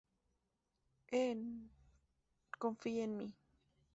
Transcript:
En "¡Confía en Mi!